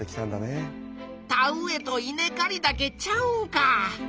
田植えと稲かりだけちゃうんか。